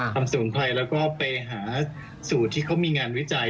สมุนไพรแล้วก็ไปหาสูตรที่เขามีงานวิจัย